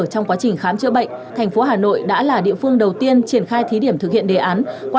trong quá trình khám chữa bệnh thành phố hà nội đã là địa phương đầu tiên triển khai thí điểm thực hiện đề án